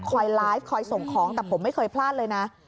ไลฟ์คอยส่งของแต่ผมไม่เคยพลาดเลยนะ